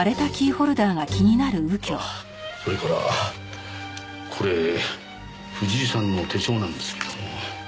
あっそれからこれ藤井さんの手帳なんですけども。